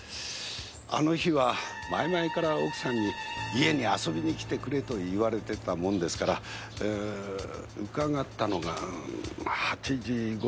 あの日は前々から奥さんに家に遊びにきてくれと言われてたもんですからえー伺ったのが８時頃ですか。